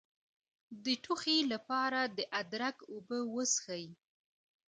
د ټوخي لپاره د ادرک اوبه وڅښئ